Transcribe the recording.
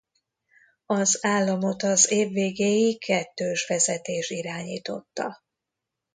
Az államot az év végéig kettős vezetés irányította.